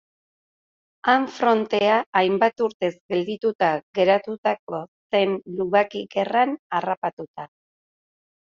Han frontea hainbat urtez geldituta geratuko zen lubaki-gerran harrapatuta.